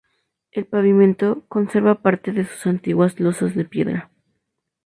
El pavimento conserva parte de sus antiguas losas de piedra.